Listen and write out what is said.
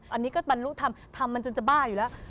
อันนี้ก็บรรลุทำทำมันจนจะบ้าอยู่แล้ว